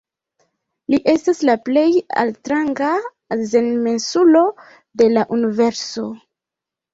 Li estas la plej altranga azenmensulo de la universo.